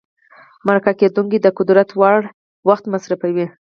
مرکه کېدونکی د قدر وړ وخت مصرفوي.